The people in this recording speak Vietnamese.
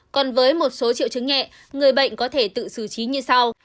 còn với một số triệu chứng nhẹ người bệnh có thể tự xử trí như sau